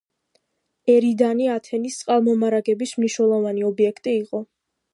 ერიდანი ათენის წყალმომარაგების მნიშვნელოვანი ობიექტი იყო.